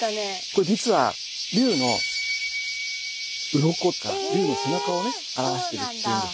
これ実は龍のうろこっていうか龍の背中をね表しているんですね。